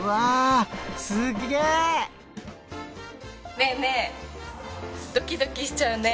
ねえねえドキドキしちゃうね。